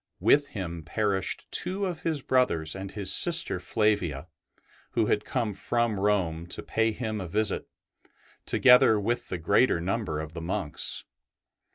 With him perished two of his brothers and his sister Flavia, who had come from Rome to pay him a visit, together with the greater number of the monks.